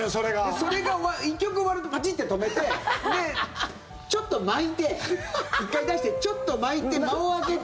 それが、１曲終わるとパチッて止めてで、ちょっと巻いて１回出してちょっと巻いて、間を空けて。